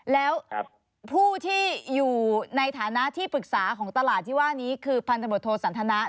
แล้วผู้ที่อยู่ในฐานะที่ปรึกษาของตลาดที่ว่านี้คือพันธบทโทสันทนะ